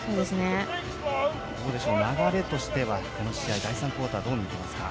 流れとしては、この試合第３クオーターどう見ていますか。